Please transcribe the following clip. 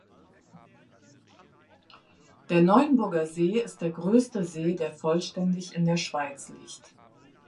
Der Neuenburgersee ist der grösste See, der vollständig in der Schweiz liegt.